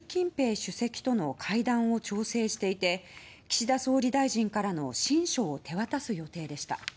山口代表は中国の習近平主席との会談を調整していて岸田総理大臣からの親書を手渡す予定でした。